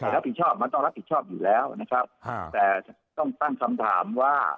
รับผิดชอบมันต้องรับผิดชอบอยู่แล้วนะครับแต่ต้องตั้งคำถามว่า